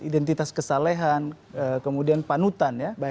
identitas kesalahan kemudian panutan ya